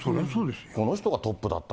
この人がトップだったら。